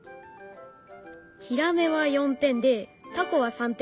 ヒラメは４点でタコは３点。